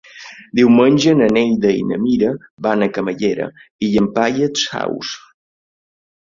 Diumenge na Neida i na Mira van a Camallera i Llampaies Saus.